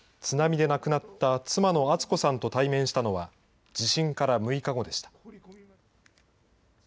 津波で亡くなった妻の厚子さんと対面したのは、地震から６日後でした。